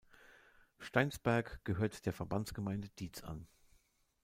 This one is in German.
Steinsberg gehört der Verbandsgemeinde Diez an.